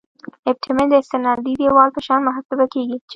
ابټمنټ د استنادي دیوال په شان محاسبه کیږي